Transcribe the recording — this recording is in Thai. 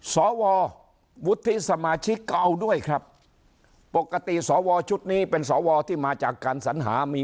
สววุฒิสมาชิกก็เอาด้วยครับปกติสวชุดนี้เป็นสวที่มาจากการสัญหามี